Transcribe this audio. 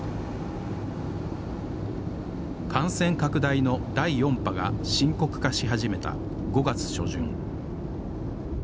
感染拡大の第４波が深刻化し始めた５月初旬